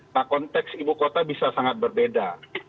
nah konteks ibu kota bisa sangat berbeda